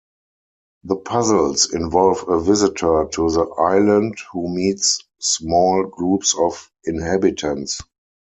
The puzzles involve a visitor to the island who meets small groups of inhabitants.